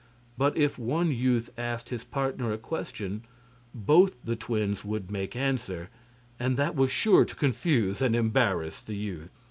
But if one youth asked his partner a question, both the twins would make answer, and that was sure to confuse and embarrass the youth.